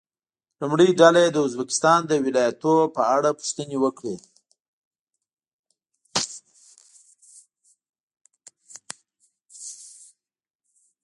لومړۍ ډله دې د ازبکستان د ولایتونو په اړه پوښتنې وکړي.